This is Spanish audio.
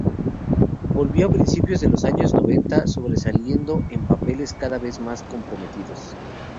Volvió a principios de los años noventa sobresaliendo en papeles cada vez más comprometidos.